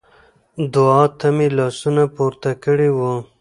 دعا ته مې لاسونه پورته کړي وو.